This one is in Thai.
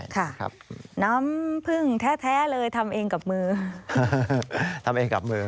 น้ำผึ้งแท้เลยทำเองกับมือ